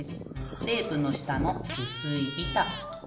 テープのしたのうすいいた。